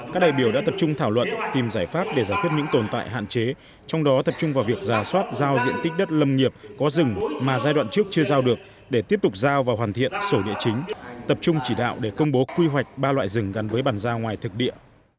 các đại biểu đã tập trung thảo luận tìm giải pháp để giải quyết những tồn tại hạn chế trong đó tập trung vào việc giả soát giao diện tích đất lâm nghiệp có rừng mà giai đoạn trước chưa giao được để tiếp tục giao và hoàn thiện sổ địa chính tập trung chỉ đạo để công bố quy hoạch ba loại rừng gắn với bàn giao ngoài thực địa